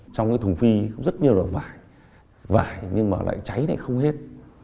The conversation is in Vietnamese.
trong cái thùng phi rất nhiều đầu vải vải nhưng mà lại cháy lại không hết